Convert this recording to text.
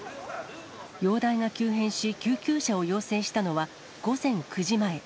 容体が急変し、救急車を要請したのは、午前９時前。